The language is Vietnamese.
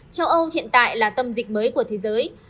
châu âu hiện tại là tâm dịch mới của thế giới